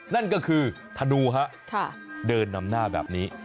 นั่นก็คือธนูฮะเดินนำหน้าแบบนี้